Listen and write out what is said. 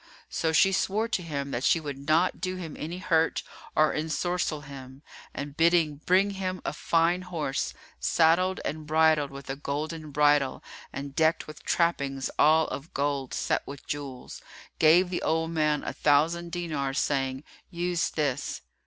So she sware to him that she would not do him any hurt or ensorcell him, and bidding bring him a fine horse, saddled and bridled with a golden bridle and decked with trappings all of gold set with jewels, gave the old man a thousand dinars saying, "Use this."